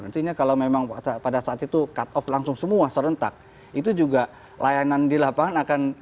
nantinya kalau memang pada saat itu cut off langsung semua serentak itu juga layanan di lapangan akan